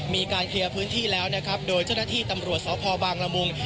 มีการเคลียร์พื้นที่แล้วนะครับโดยเจ้าหน้าที่ตำรวจสพบางละมุง